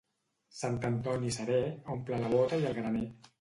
Sant Antoni serè omple la bota i el graner.